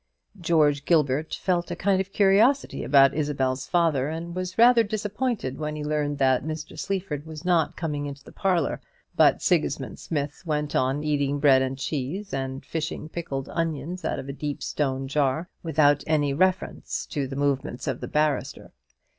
George Gilbert felt a kind of curiosity about Isabel's father, and was rather disappointed when he learnt that Mr. Sleaford was not coming into the parlour. But Sigismund Smith went on eating bread and cheese, and fishing pickled onions out of a deep stone jar, without any reference to the movements of the barrister.